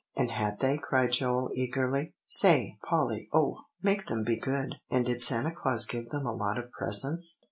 "And had they?" cried Joel eagerly. "Say, Polly, oh, make them be good! and did Santa Claus give them a lot of presents?"